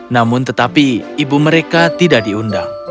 namun tetapi ibu mereka tidak diundang